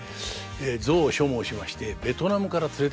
象を所望しましてベトナムから連れてくるんですよ。